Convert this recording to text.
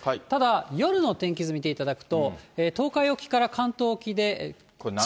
ただ、夜の天気図見てみると、東海沖から関東沖で。